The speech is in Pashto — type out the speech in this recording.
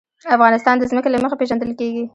افغانستان د ځمکه له مخې پېژندل کېږي.